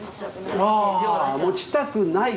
あ持ちたくない。